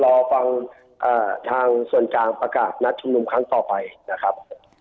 รอฟังทางส่วนกลางประกาศนัดชุมนุมครั้งต่อไปนะครับ